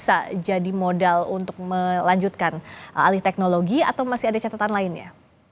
bisa jadi modal untuk melanjutkan alih teknologi atau masih ada catatan lainnya